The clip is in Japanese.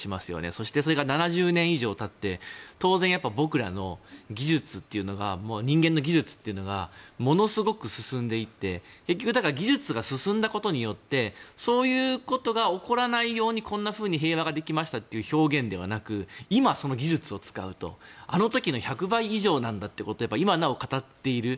そしてそれが７０年以上たって当然、僕らの技術というのが人間の技術というのがものすごく進んでいって結局、技術が進んだことによってそういうことが起こらないようにこんなふうに平和ができましたという表現ではなく今、その技術を使うとあの時の１００倍以上なんだということを今なお語っている。